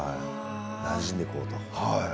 なじんでいこうと。